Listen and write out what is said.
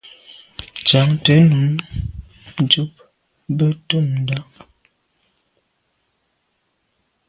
Tsiante ndùb be ntùm ndà.